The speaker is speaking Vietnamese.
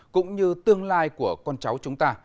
cũng như tương lai của con cháu chúng ta